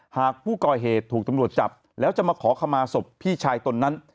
หากผู้ก่อเหตุถูกตำรวจจับแล้วจะมาขอขมาศพพี่ชายตนนั้น